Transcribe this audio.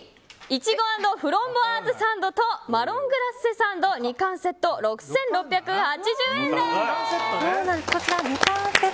いちご＆フランボワーズサンドとマロングラッセサンド２缶セット６６８０円です。